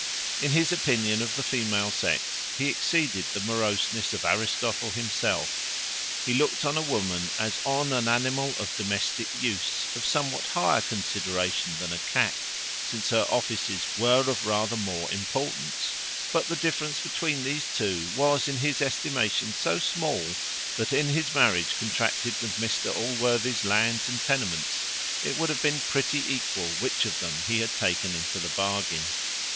In his opinion of the female sex, he exceeded the moroseness of Aristotle himself: he looked on a woman as on an animal of domestic use, of somewhat higher consideration than a cat, since her offices were of rather more importance; but the difference between these two was, in his estimation, so small, that, in his marriage contracted with Mr Allworthy's lands and tenements, it would have been pretty equal which of them he had taken into the bargain.